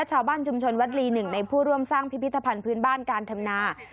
ชาวบ้านชุมชนวัดลีหนึ่งในผู้ร่วมสร้างพิพิธภัณฑ์พื้นบ้านการทำนา